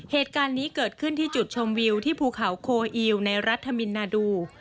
เหตุการณ์นี้เกิดขึ้นที่จุดชมวิวที่ภูเขาโคอีลในรัฐมินนาดู